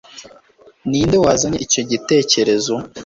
Ninde wazanye icyo gitekerezo